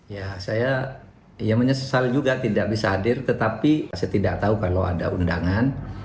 ya saya menyesal juga tidak bisa hadir tetapi saya tidak tahu kalau ada undangan